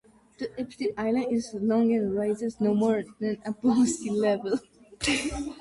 The island is long and rises no more than above sea level.